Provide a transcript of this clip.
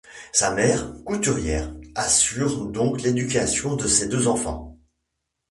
Sa mère, couturière, assure donc l'éducation de ses deux enfants.